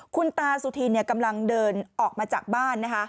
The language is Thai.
คุณตาสุธินกำลังเดินออกมาจากบ้านนะคะ